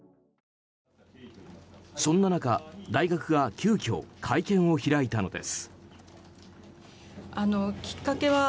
そんな中、大学が急きょ会見を開いたのです。